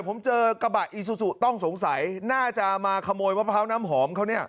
ผมเจอกระบะอีซูซูต้องสงสัยน่าจะมาขโมยมะพร้าวน้ำหอมเขาเนี่ย